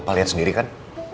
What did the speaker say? papa liat sendiri kan